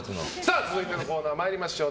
続いてのコーナー参りましょう。